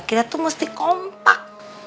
kita tuh mesti kompak